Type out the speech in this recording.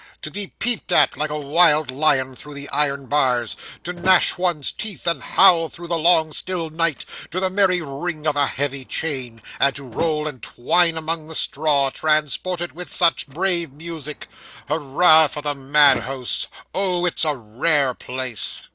to be peeped at like a wild lion through the iron bars to gnash one's teeth and howl, through the long still night, to the merry ring of a heavy chain and to roll and twine among the straw, transported with such brave music. Hurrah for the madhouse! Oh, it's a rare place!